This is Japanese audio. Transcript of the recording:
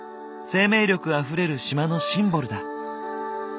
生命力あふれる島のシンボルだ。